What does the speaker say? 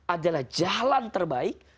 adalah jalan terbaik